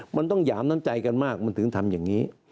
มันต้องหยามน้ำใจกันมากมันถึงทำอย่างนี้